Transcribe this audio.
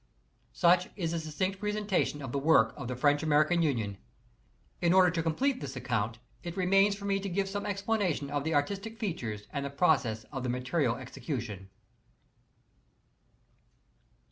* Such is the succinct presentation of the work of th< French American Union. In order to complete this accoun it remains for me to give some explanation of the artisti( features and the processes of the material execution.